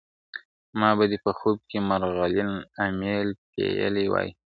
ما به دي په خوب کي مرغلین امېل پېیلی وي `